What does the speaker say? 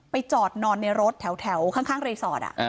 จอดนอนในรถแถวข้างรีสอร์ท